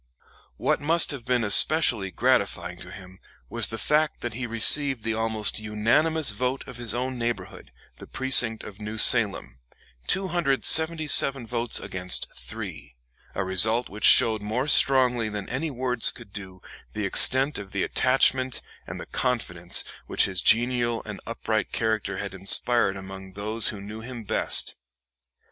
What must have been especially gratifying to him was the fact that he received the almost unanimous vote of his own neighborhood, the precinct of New Salem, 277 votes against 3, a result which showed more strongly than any words could do the extent of the attachment and the confidence which his genial and upright character had inspired among those who knew him best.